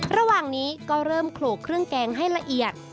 ระหว่างนี้ก็เริ่มโขลกเครื่องแกงให้ละเอียด